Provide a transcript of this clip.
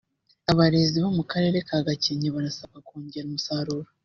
Abarezi bo mu Karere ka Gakenke barasabwa kongera umusaruro